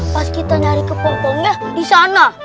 pas kita nyari kepompongnya di sana